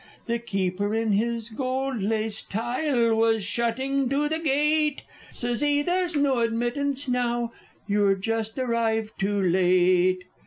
The Keeper, in his gold laced tile, was shutting to the gate, Sez he: "There's no admittance now you're just arrived too late!"